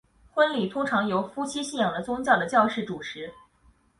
婚礼通常由夫妻信仰的宗教的教士主持。